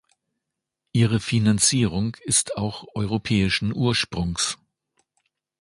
Ihre Finanzierung ist auch europäischen Ursprungs.